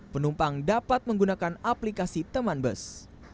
penumpang dapat menggunakan aplikasi teman bus